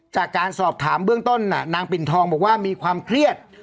จากการสอบถามเบื้องต้นนางปิ่นทองบอกว่ามีความเครียด